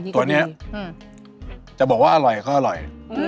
ตัวนี้จะบอกว่าอร่อยก็อร่อย